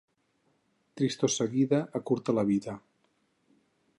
Tristor seguida acurta la vida.